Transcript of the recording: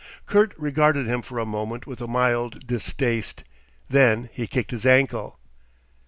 Kurt regarded him for a moment with a mild distaste. Then he kicked his ankle.